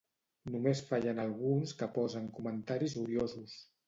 Només fallen alguns que posen comentaris odiosos.